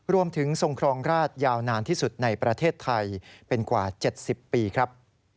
ทรงครองราชยาวนานที่สุดในประเทศไทยเป็นกว่า๗๐ปีครับ